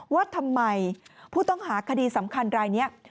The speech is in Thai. ว่าทำไมผู้ต้องหาคดีสำคัญรายนี้